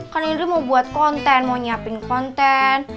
kan ini dia mau buat konten mau nyiapin konten